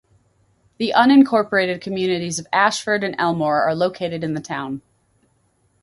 The unincorporated communities of Ashford and Elmore are located in the town.